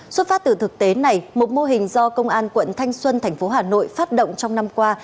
xuất phát từ thực tế này một mô hình do công an quận thanh xuân thành phố hà nội phát động trong năm qua